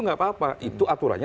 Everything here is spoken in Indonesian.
nggak apa apa itu aturannya